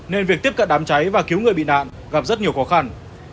nên việc tiếp cận đám cháy và cứu người bị nạn gặp rất nhiều khó khăn